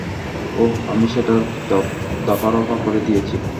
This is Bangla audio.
ওহ, আমি সেটার দফারফা করে দিয়েছি।